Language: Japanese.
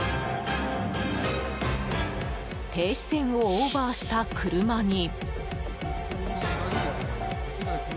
停止線をオーバーした車に。